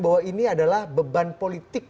bahwa ini adalah beban politik